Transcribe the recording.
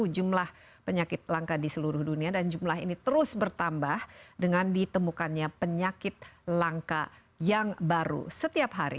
jumlah penyakit langka di seluruh dunia dan jumlah ini terus bertambah dengan ditemukannya penyakit langka yang baru setiap hari